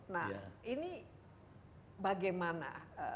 nah ini bagaimana